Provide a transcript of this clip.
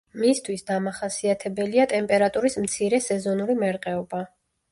მისთვის დამახასიათებელია ტემპერატურის მცირე სეზონური მერყეობა.